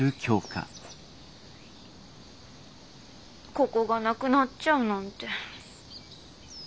ここがなくなっちゃうなんて。